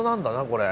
これ。